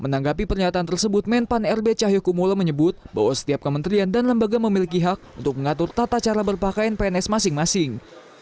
menanggapi pernyataan tersebut men pan r b cahyokumula menyebut bahwa setiap kementerian dan lembaga memiliki hak untuk mengatur tata cara berpakaian pns masing masing